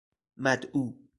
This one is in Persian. مدعو